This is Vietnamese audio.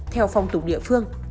theo phong tục địa phương